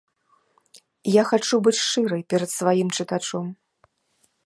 Я хачу быць шчырай перад сваім чытачом.